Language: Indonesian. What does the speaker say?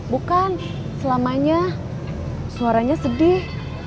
bukan selamanya suaranya sedih